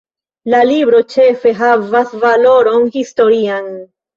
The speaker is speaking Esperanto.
La libro ĉefe havas valoron historian.